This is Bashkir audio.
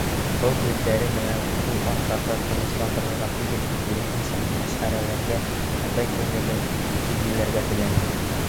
-Был һүҙҙәре менән ул Ансарҙы тынысландырырға түгел, киреһенсә, мәсхәрәләргә, атай күңелен иҙгеләргә теләне.